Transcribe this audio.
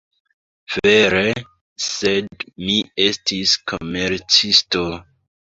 Vere! sed mi estis komercisto!